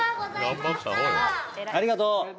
ありがとう。